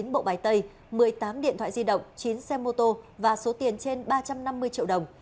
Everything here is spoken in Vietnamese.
một mươi bộ bài tay một mươi tám điện thoại di động chín xe mô tô và số tiền trên ba trăm năm mươi triệu đồng